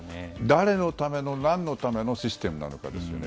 誰のための何のためのシステムかですよね。